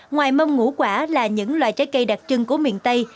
ngoài mông ngũ quả là những loại trái cây đặc trưng của miền tây